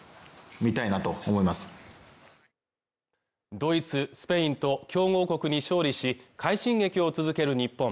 ドイツスペインと強豪国に勝利し快進撃を続ける日本